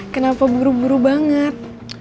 kenapa buru buru banget